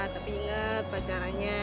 tapi inget pacarannya